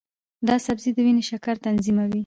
دا سبزی د وینې شکر تنظیموي.